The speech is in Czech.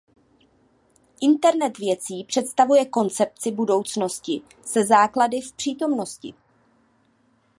Internet věcí představuje koncepci budoucnosti se základy v přítomnosti.